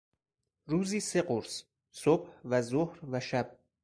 روزی سه قرص: صبح و ظهر و شب